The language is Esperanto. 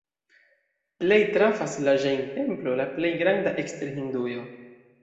Plej trafas la Ĵain-templo, la plej granda ekster Hindujo.